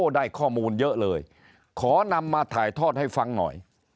ได้ข้อมูลเยอะเลยขอนำมาถ่ายทอดให้ฟังหน่อย